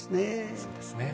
そうですね。